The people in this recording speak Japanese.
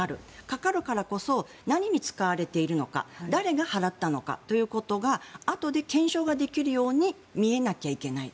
かかるからこそ何に使われているのか誰が払ったのかということがあとで検証ができるように見えなければいけない。